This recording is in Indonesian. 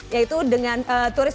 yaitu dengan turis turis